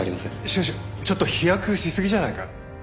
しかしちょっと飛躍しすぎじゃないか？